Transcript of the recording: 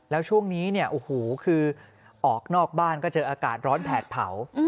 แล้วช่วงนี้เนี่ยโอ้โหคือออกนอกบ้านก็เจออากาศร้อนแผดเผา